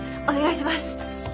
お願いします！